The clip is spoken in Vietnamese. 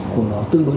được sửa đổi